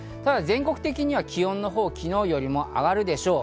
全国的には気温のほう、昨日よりも上がるでしょう。